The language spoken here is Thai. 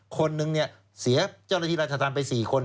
คนนึงเนี่ยเสียเจ้าหน้าที่ราชธรรมไป๔คน